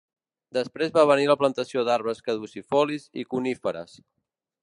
Després va venir la plantació d'arbres caducifolis i coníferes.